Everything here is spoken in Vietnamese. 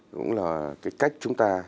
cũng là cái cách chúng ta